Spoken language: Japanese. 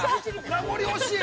名残惜しい。